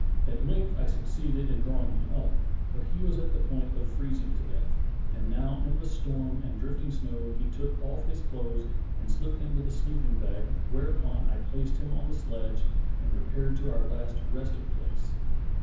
At length I succeeded in draw ing him up, but he was at the point of freezing to death, and now in the storm and drifting snow he took off his clothes and slipped into the sleeping bag, where upon I placed him on the sledge and repaired to our last resting place.